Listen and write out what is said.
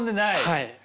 はい。